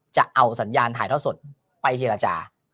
จะเอาสัญญาณถ่ายทอดสดไปเจรจา